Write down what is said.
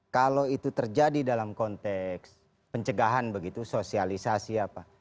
kalau itu terjadi dalam konteks pencegahan begitu sosialisasi apa